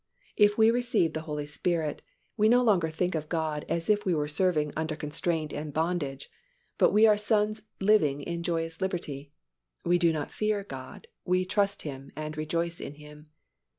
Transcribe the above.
If we receive the Holy Spirit, we no longer think of God as if we were serving under constraint and bondage but we are sons living in joyous liberty. We do not fear God, we trust Him and rejoice in Him.